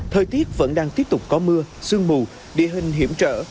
thời tiết vẫn đang tiếp tục có mưa sương mù địa hình hiểm trở